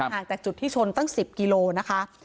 ห่างจากจุดที่ชนตั้ง๑๐กิโลนะคะ